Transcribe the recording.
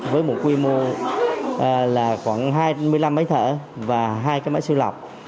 với một quy mô là khoảng hai mươi năm máy thở và hai cái máy siêu lọc